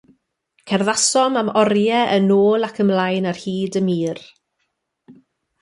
Cerddasom am oriau yn ôl ac ymlaen ar hyd y mur.